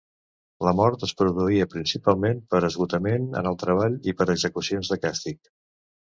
La mort es produïa principalment per esgotament en el treball i per execucions de càstig.